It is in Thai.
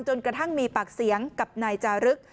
กระทั่งมีปากเสียงกับนายจารึก